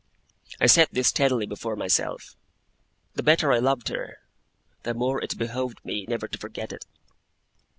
I set this steadily before myself. The better I loved her, the more it behoved me never to forget it.